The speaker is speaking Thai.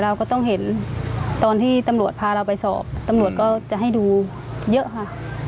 เราก็ต้องเห็นตอนที่ตำรวจพาเราไปสอบตำรวจก็จะให้ดูเยอะค่ะ